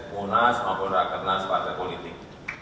munas maupun rakernas partai politik